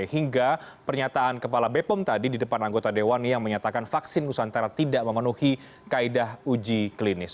hingga pernyataan kepala bepom tadi di depan anggota dewan yang menyatakan vaksin nusantara tidak memenuhi kaedah uji klinis